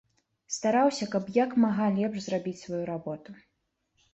Стараўся, каб як мага лепш зрабіць сваю работу.